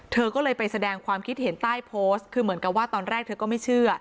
เธอก็เลยไปแสดงความคิดเห็นใต้โพสต์คือเหมือนกับว่าตอนแรกเธอก็ไม่เชื่อ